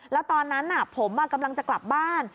แล้วตอนนั้นผมกำลังจะกลับบ้าน